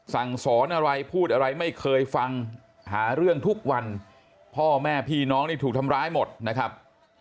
สั่งสอนอะไรพูดอะไรไม่เคยฟังหาเรื่องทุกวันพ่อแม่พี่น้องนี่ถูกทำร้ายหมดนะครับ